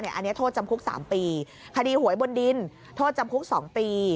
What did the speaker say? อันนี้โทษจำคุก๓ปีคดีหวยบนดินโทษจำคุก๒ปี